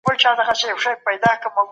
ایا تاسو غواړئ چې یو تکړه ټولنپوه سئ؟